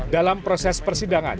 dalam proses persidangan